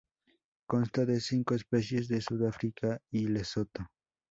Consta de cinco especies de Sudáfrica y Lesotho.